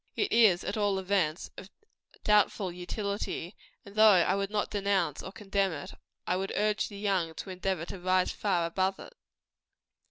It is, at all events, of doubtful utility; and though I would not denounce or condemn it, I would urge the young to endeavor to rise far above it.